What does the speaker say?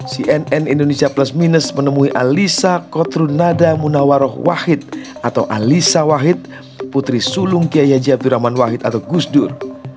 cnn indonesia plus minus menemui alisa kotrunada munawaroh wahid atau alisa wahid putri sulung kiai haji abdurrahman wahid atau gusdur